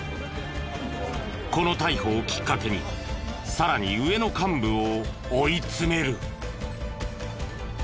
この逮捕をきっかけにさらに上の幹部を追い詰める。